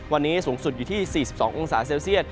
วันนี้สูงสุดอยู่ที่๔๒องศาเซลเซียต